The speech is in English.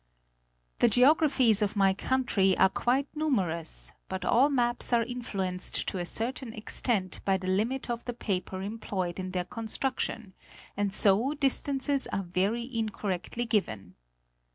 "The geographies of my country are quite numerous, but all maps are influenced to a certain extent by the limit of the paper employed in their construction, and so distances are very incor rectly given.